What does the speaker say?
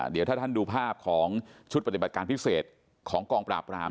เดี๋ยวถ้าท่านดูภาพของชุดปฏิบัติการพิเศษของกองปราบราม